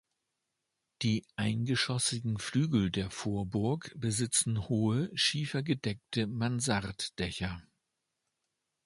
Die eingeschossigen Flügel der Vorburg besitzen hohe, schiefergedeckte Mansarddächer.